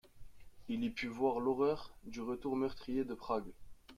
Il y put voir l'horreur du retour meurtrier de Prague.